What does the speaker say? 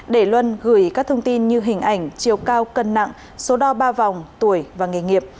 để luân gửi các thông tin như hình ảnh chiều cao cân nặng số đo ba vòng tuổi và nghề nghiệp